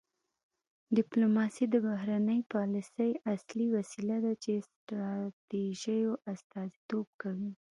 ډیپلوماسي د بهرنۍ پالیسۍ اصلي وسیله ده چې ستراتیژیو استازیتوب کوي